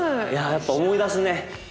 やっぱ思い出すね。